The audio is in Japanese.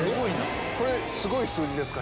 これすごい数字ですか？